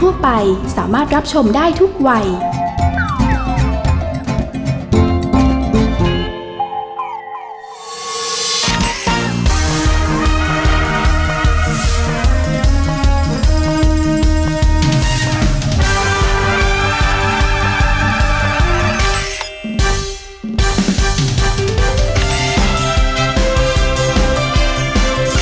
แม่บ้านประจนบาง